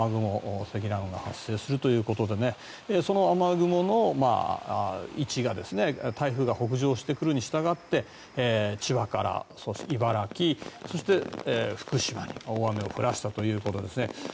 それと高気圧の辺々を回ってくる風がぶつかり合うところで雨雲、積乱雲が発生するということでその雨雲の位置が台風が北上してくるにしたがって千葉から茨城そして、福島に大雨を降らせたということですね。